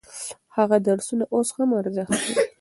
هغه درسونه اوس هم ارزښت لري.